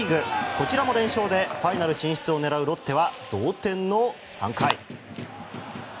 こちらも連勝でファイナル進出を狙うロッテは同点の３回。